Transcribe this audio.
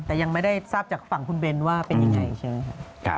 แต่ยังไม่ได้ทราบจากฝั่งคุณเบนว่าเป็นยังไงใช่ไหมครับ